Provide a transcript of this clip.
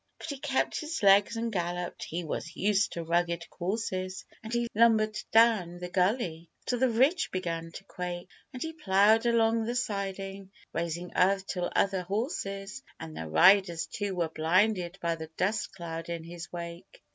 But he kept his legs and galloped; he was used to rugged courses, And he lumbered down the gully till the ridge began to quake: And he ploughed along the siding, raising earth till other horses An' their riders, too, were blinded by the dust cloud in his wake.